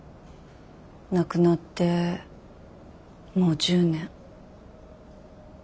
亡くなってもう１０年。